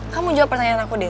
kamu jawab pertanyaan aku deh